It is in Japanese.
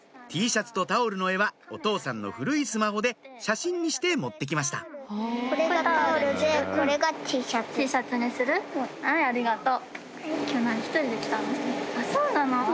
Ｔシャツとタオルの絵はお父さんの古いスマホで写真にして持って来ましたそうなの？